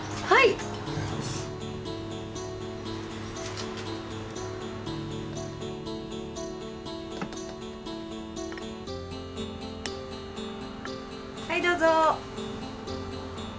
はいどうぞ。